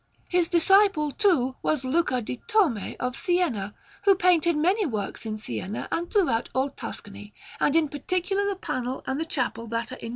His disciple, too, was Luca di Tomè of Siena, who painted many works in Siena and throughout all Tuscany, and in particular the panel and the chapel that are in S.